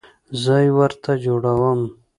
زه یې ورته جوړوم